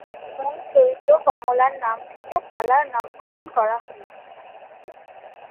মূল চরিত্র কমলার নাম থেকে পালার নামকরণ করা হয়েছে।